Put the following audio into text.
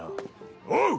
おう！